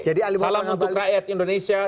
salam untuk rakyat indonesia